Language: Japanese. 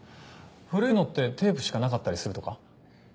古いのってテープしかなかったりするとか？